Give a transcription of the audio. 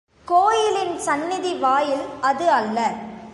கோயிலின் சந்நிதி வாயில் அது அல்ல.